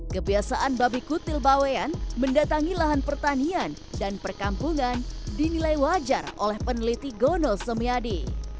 kebiasaan babi kutil bawean mendatangi lahan pertanian dan perkampungan dinilai wajar oleh peneliti gono semiyadi